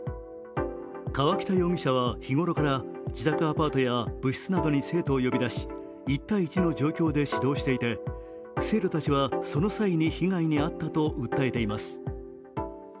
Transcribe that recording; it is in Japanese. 川北容疑者は日頃から自宅アパートや部室などに生徒を呼び出し１対１の状況で指導していて生徒たちはその際に被害に遭ったと訴えています。